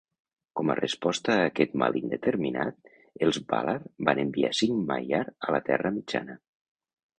Com a resposta a aquest mal indeterminat, els vàlar van enviar cinc maiar a la Terra Mitjana.